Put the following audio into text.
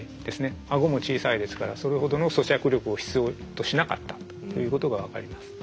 あごも小さいですからそれほどの咀嚼力を必要としなかったということが分かります。